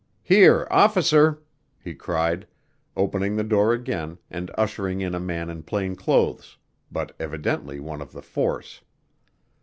Here, officer!" he cried, opening the door again and ushering in a man in plain clothes, but evidently one of the force.